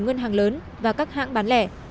ngân hàng lớn và các hãng bán lẻ